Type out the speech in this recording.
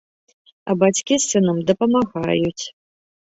А бацькі з сынам дапамагаюць.